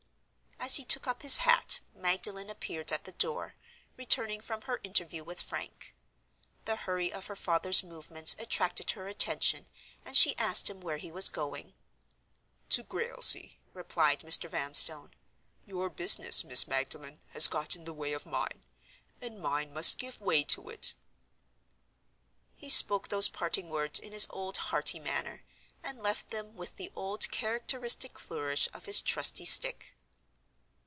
As he took up his hat, Magdalen appeared at the door, returning from her interview with Frank. The hurry of her father's movements attracted her attention; and she asked him where he was going. "To Grailsea," replied Mr. Vanstone. "Your business, Miss Magdalen, has got in the way of mine—and mine must give way to it." He spoke those parting words in his old hearty manner; and left them, with the old characteristic flourish of his trusty stick.